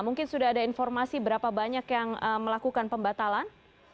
mungkin sudah ada informasi berapa banyak yang melakukan pembatalan